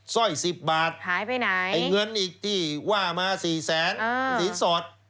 ซ่อย๑๐บาทเงินอีกที่ว่ามา๔แสนหลีกสอด